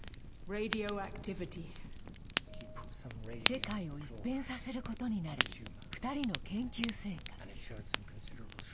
世界を一変させることになる２人の研究成果。